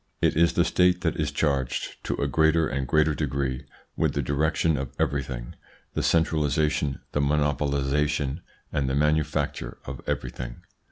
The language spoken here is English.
It is the State that is charged, to a greater and greater degree, with the direction of everything, the centralisation, the monopolisation, and the manufacture of everything.